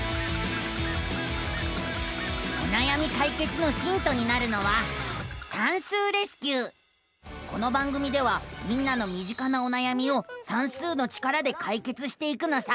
おなやみかいけつのヒントになるのはこの番組ではみんなのみ近なおなやみを算数の力でかいけつしていくのさ！